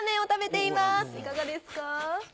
いかがですか？